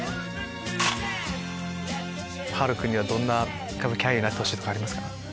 ハル君にはどんな歌舞伎俳優になってほしいとかありますか？